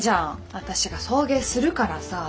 私が送迎するからさ。